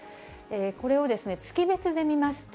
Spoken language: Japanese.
これを月別で見ますと、